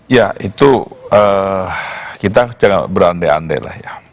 ya itu kita jangan berandai andai lah ya